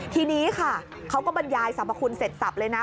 ทีนี้ค่ะเขาก็บรรยายสรรพคุณเสร็จสับเลยนะ